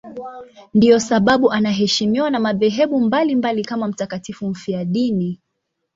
Ndiyo sababu anaheshimiwa na madhehebu mbalimbali kama mtakatifu mfiadini.